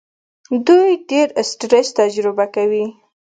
دوی ډېر سټرس تجربه کوي.